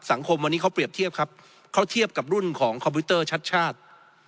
สังคมวันนี้เขาเปรียบเทียบครับเขาเทียบกับรุ่นของคอมพิวเตอร์ชัดชาติ